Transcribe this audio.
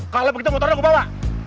kalau begitu motornya aku bawa